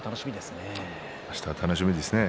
あしたは楽しみですね。